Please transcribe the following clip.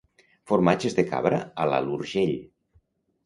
Formatges de cabra a l'Alt Urgell